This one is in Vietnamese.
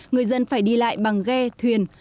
người dân phải đi lại bằng ghe thuyền